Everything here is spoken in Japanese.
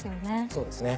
そうですね。